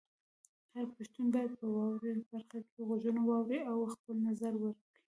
هر پښتون باید په "واورئ" برخه کې غږونه واوري او خپل نظر ورکړي.